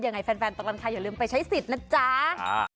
ยังไงแฟนตกลังคาอย่าลืมไปใช้สิทธิ์นะจ๊ะอ่า